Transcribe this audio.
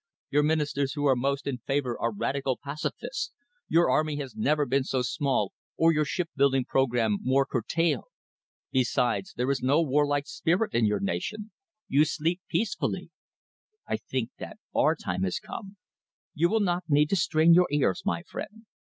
Your Ministers who are most in favour are Radical pacifists. Your army has never been so small or your shipbuilding programme more curtailed. Besides, there is no warlike spirit in your nation; you sleep peacefully. I think that our time has come. You will not need to strain your ears, my friend.